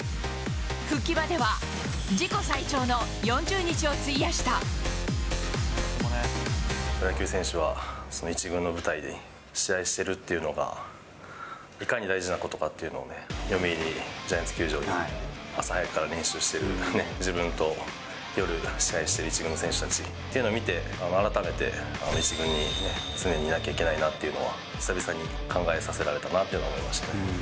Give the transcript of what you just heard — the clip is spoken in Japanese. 復帰までは自己最長の４０日を費プロ野球選手は１軍の舞台で試合してるっていうのが、いかに大事なことかっていうのをね、読売ジャイアンツ球場で朝早くから練習してる自分と、夜、試合してる１軍選手たちというのを見て、改めて、１軍にね、常にいなきゃいけないなっていうのは久々に考えさせられたなというのは思いましたね。